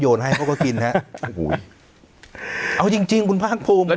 โยนให้เขาก็กินนะโอ้ยเอาจริงจริงบุรภักษ์ภูมิแล้ว